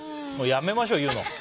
もうやめましょう、言うの。